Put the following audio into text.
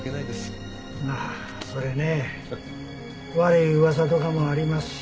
ああそれね悪い噂とかもありますし。